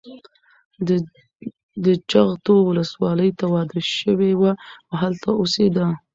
د جغتو ولسوالۍ ته واده شوې وه او هلته اوسېده.